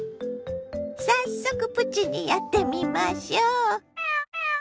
早速プチにやってみましょ。